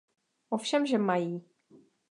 Ovšemže mají!